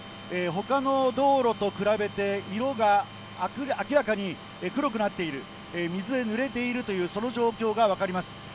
ほかの道路と比べて、色が明らかに黒くなっている、水でぬれているという、その状況が分かります。